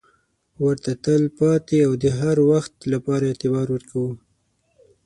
ورته تل پاتې او د هروخت لپاره اعتبار ورکوو.